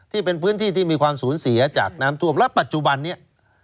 ที่เป็นพื้นที่ที่มีความสูญเสียจากน้ำท่วมและปัจจุบันนี้